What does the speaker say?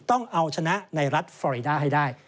ต้องเอาชนะในรัฐฟอรีดาให้ได้